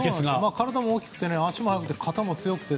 体も大きくて足も速くて肩も強くて。